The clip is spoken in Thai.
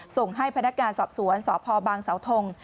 ส่งให้พนักงานสอบสวนสพบางสาวทง